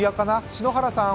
篠原さん